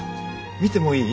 見てもいい？